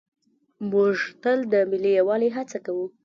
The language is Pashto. موږ تل د ملي یووالي هڅه کوو.